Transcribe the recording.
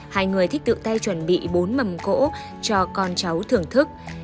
hai người thích tự tay chuẩn bị bốn mầm cỗ cho con cháu thưởng thức